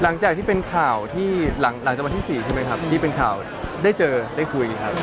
หลังจากที่เป็นข่าวที่หลังจากวันที่๔ใช่ไหมครับที่เป็นข่าวได้เจอได้คุยครับ